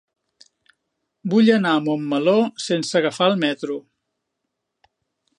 Vull anar a Montmeló sense agafar el metro.